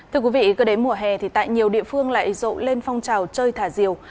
thưa quý vị cơ đế mùa hè thì tại nhiều địa phương lại rộ lên phong trào chơi thả diều